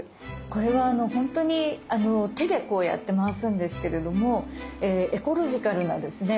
これはほんとに手でこうやって回すんですけれどもエコロジカルなですね